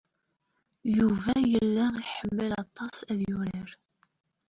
Yuba yella iḥemmel aṭas ad yurar